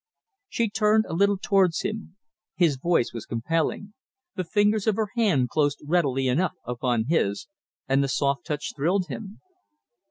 She turned a little towards him. His voice was compelling. The fingers of her hand closed readily enough upon his, and the soft touch thrilled him.